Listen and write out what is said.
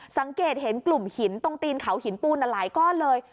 สังเกตเห็นกลุ่มหินตรงตีนเขาหินปูนหลายก้อนเลย